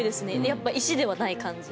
やっぱ石ではない感じ。